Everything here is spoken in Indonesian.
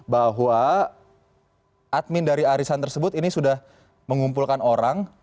bahwa admin dari arisan tersebut ini sudah mengumpulkan orang